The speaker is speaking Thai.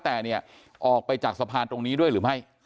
แต่เนี่ยออกไปจากสะพานตรงนี้ด้วยหรือไม่